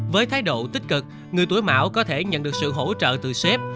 với thái độ tích cực người tuổi mảo có thể nhận được sự hỗ trợ từ sếp